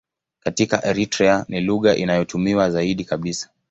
Katika Eritrea ni lugha inayotumiwa zaidi kabisa.